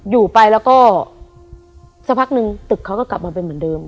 อยู่ไปแล้วก็สักพักนึงตึกเขาก็กลับมาเป็นเหมือนเดิม